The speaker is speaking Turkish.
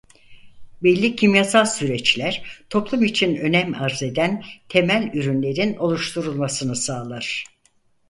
Belli kimyasal süreçler toplum için önem arz eden temel ürünlerin oluşturulmasını sağlar.